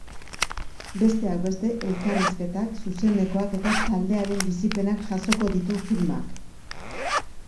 Besteak beste, elkarrizketak, zuzenekoak eta taldearen bizipenak jasoko ditu filmak.